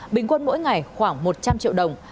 bình quân mỗi ngày khoảng một trăm linh triệu đồng